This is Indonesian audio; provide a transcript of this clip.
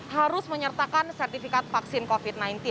harus menyertakan sertifikat vaksin covid sembilan belas